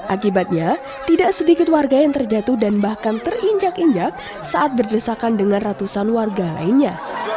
akibatnya tidak sedikit warga yang terjatuh dan bahkan terinjak injak saat berdesakan dengan ratusan warga lainnya